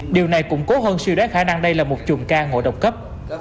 điều này cũng cố hơn siêu đoán khả năng đây là một chuồng ca ngộ độc cấp